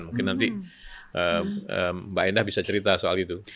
mungkin nanti mbak endah bisa cerita soal itu